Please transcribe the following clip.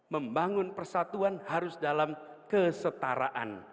membangun persatuan harus dalam kesetaraan